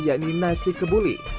yakni nasi kebuli